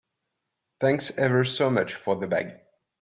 Thanks ever so much for the bag.